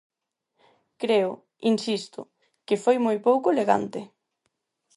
Creo –insisto– que foi moi pouco elegante.